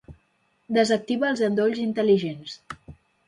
Desactiva els endolls intel·ligents.